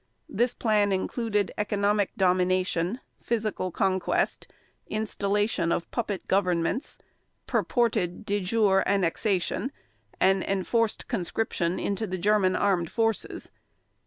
This plan included economic domination, physical conquest, installation of puppet governments, purported de jure annexation and enforced conscription into the German Armed Forces.